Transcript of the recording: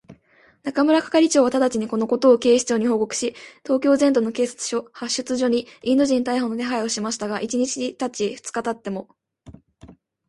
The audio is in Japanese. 中村係長はただちに、このことを警視庁に報告し、東京全都の警察署、派出所にインド人逮捕の手配をしましたが、一日たち二日たっても、